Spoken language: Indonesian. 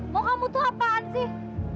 mau kamu tuh apaan sih